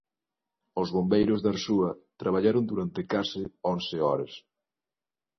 Os bombeiros de Arzúa traballaron durante case once horas.